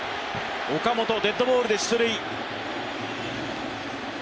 岡本、デッドボールで出塁。